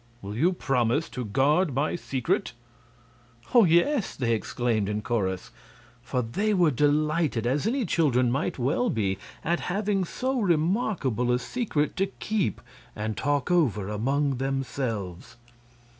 Will you promise to guard my secret?" "Oh, yes!" they exclaimed, in chorus. For they were delighted, as any children might well be, at having so remarkable a secret to keep and talk over among themselves.